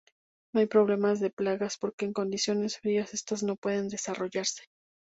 No hay problemas de plagas porque en condiciones frías estas no pueden desarrollarse.